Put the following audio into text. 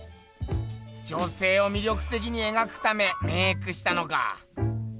女せいを魅力的にえがくためメークしたのか。